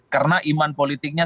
karena iman politiknya